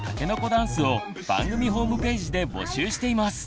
ダンスを番組ホームページで募集しています！